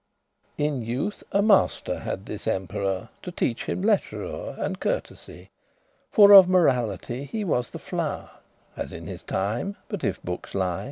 In youth a master had this emperour, To teache him lettrure* and courtesy; *literature, learning For of morality he was the flow'r, As in his time, *but if* bookes lie.